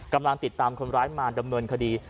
กำลังติดตามคนร้ายมาดำเนินคดี